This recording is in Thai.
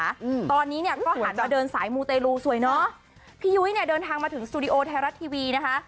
อืมตอนนี้เนี้ยก็หันมาเดินสายมูเตรลูสวยเนอะพี่ยุ้ยเนี้ยเดินทางมาถึงสตูดิโอไทยรัฐทีวีนะคะ